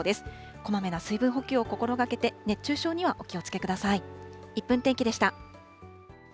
こまめな水分補給を心がけて、熱中症にはお気をつけください。